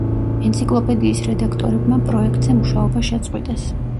ენციკლოპედიის რედაქტორებმა პროექტზე მუშაობა შეწყვიტეს.